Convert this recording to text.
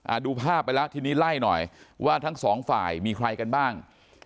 ดูภาพไปแล้วทีนี้ไล่หน่อยว่าทั้งสองฝ่ายมีใครกันบ้าง